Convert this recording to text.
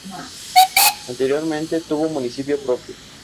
Anteriormente tuvo municipio propio.